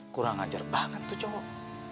kurang ajar banget tuh cowok